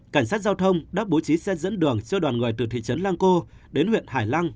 cảnh sát giao thông đã bố trí xe dẫn đường cho đoàn người từ thị trấn lang co đến huyện hải lang